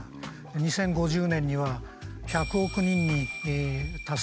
２０５０年には１００億人に達すると。